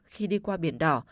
khi đi qua biển đỏ